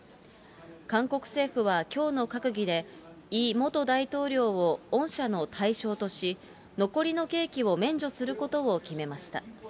韓国政府はきょうの閣議で、イ元大統領を恩赦の対象とし、残りの刑期を免除することを決めました。